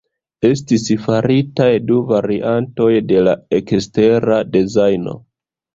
Estis faritaj du variantoj de la ekstera dezajno.